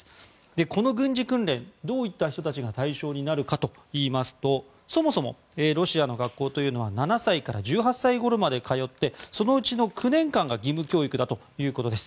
この軍事訓練どういった人たちが対象になるかといいますとそもそもロシアの学校というのは７歳から１８歳ごろまで通ってそのうちの９年間が義務教育だということです。